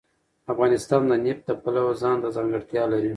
افغانستان د نفت د پلوه ځانته ځانګړتیا لري.